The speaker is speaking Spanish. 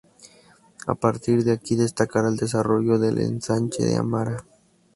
A partir de aquí destacará el desarrollo del Ensanche de Amara.